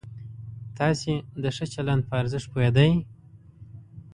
تاسې د ښه چلند په ارزښت پوهېدئ؟